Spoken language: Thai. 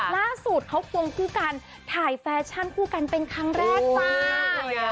ล่าสุดเขาควงคู่กันถ่ายแฟชั่นคู่กันเป็นครั้งแรกจ้า